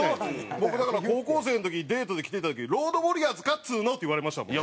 僕だから高校生の時にデートで着て行った時「ロード・ウォリアーズかっつうの」って言われましたもんね。